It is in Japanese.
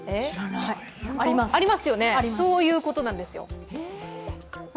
ありますよね、そういうことなんですよ。